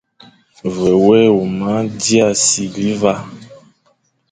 Ve wé huma dia sighle va,